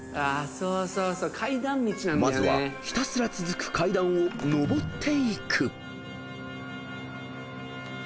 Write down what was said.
［まずはひたすら続く階段を上っていく］